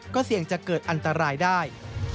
ก็เสี่ยงจะเกิดอันตรายได้